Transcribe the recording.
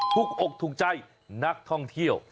อกถูกใจนักท่องเที่ยว